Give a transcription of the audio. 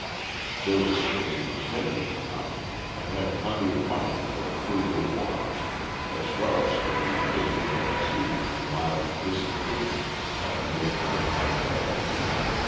They were certainly contented enough, and had plenty of money for their frugal wants, as well as for their occasional exceedingly mild dissipations at the neighbouring café.